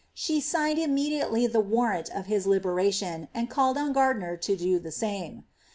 She signed immediately the warrant for his liberation, and called on Gardiner to do the same.'